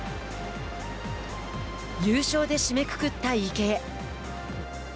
優勝で締めくくった池江。